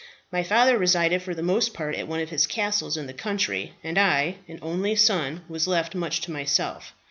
My father resided for the most part at one of his castles in the country, and I, an only son, was left much to myself.